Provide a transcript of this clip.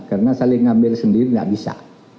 karena saling ambil sendiri tidak bisa